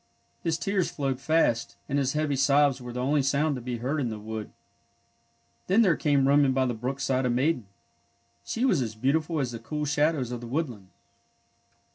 His tears flowed fast, and his heavy sobs were the only sound to be heard in the wood. Then there came roaming by the brook side a maiden. She was as beautiful as the cool shadows of the woodland.